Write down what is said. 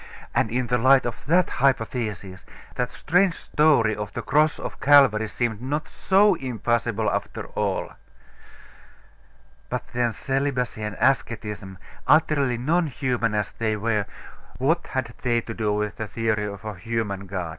And in the light of that hypothesis, that strange story of the Cross of Calvary seemed not so impossible after all.... But then, celibacy and asceticism, utterly non human as they were, what had they to do with the theory of a human God?